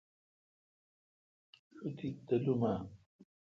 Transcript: شوتی تلوم اؘ۔